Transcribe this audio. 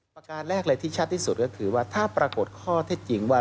ประกาศแรกที่ชัดที่สุดก็คือถ้าปรากฏข้อที่จริงว่า